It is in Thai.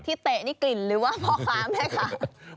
เตะนี่กลิ่นหรือว่าพ่อค้าแม่ค้า